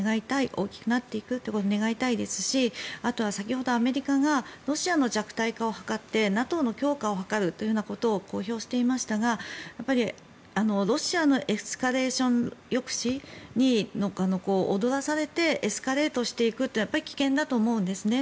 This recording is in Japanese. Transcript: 大きくなっていくということを願いたいですしあとは先ほどアメリカがロシアの弱体化を図ってＮＡＴＯの強化を図るということを公表していましたがロシアのエスカレーション抑止に踊らされて、エスカレートしていくっていうのは危険だと思うんですね。